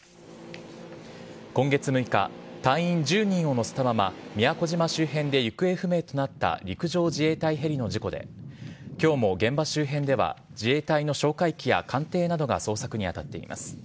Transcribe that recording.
今月６日、隊員１０人を乗せたまま、宮古島周辺で行方不明となった陸上自衛隊ヘリの事故で、きょうも現場周辺では、自衛隊の哨戒機や艦艇などが捜索に当たっています。